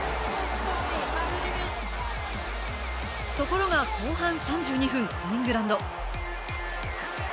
ところが後半３２分イングランド。